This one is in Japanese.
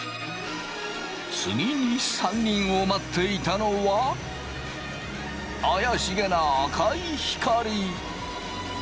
次に３人を待っていたのは怪しげな赤い光。